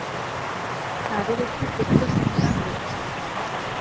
তাদের একটি পুত্র সন্তান রয়েছে।